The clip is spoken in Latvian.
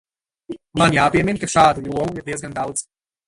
Man jāpiemin, ka šādu jomu ir diezgan daudz.